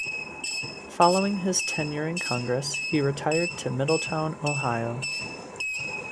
Following his tenure in Congress, he retired to Middletown, Ohio.